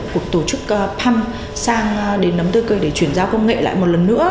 của tổ chức pam sang đến nấm tươi cười để chuyển giao công nghệ lại một lần nữa